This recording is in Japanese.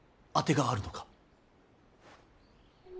当てがあるのか。